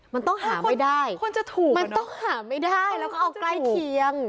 มันต้องหาไม่ได้คนจะถูกมันต้องหาไม่ได้แล้วก็เอาใกล้เคียง